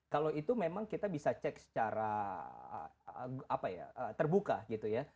kalau itu memang kita bisa cek secara terbuka gitu ya